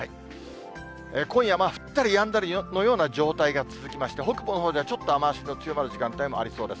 今夜、降ったりやんだりのような状態が続きまして、北部のほうではちょっと雨足の強まる時間帯もありそうです。